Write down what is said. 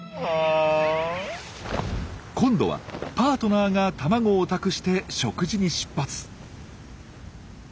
今度はパートナーが卵を託して食事に出発。